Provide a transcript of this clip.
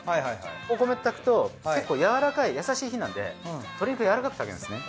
お米と炊くと結構やわらかい優しい火なんで鶏肉やわらかく炊けるんですね。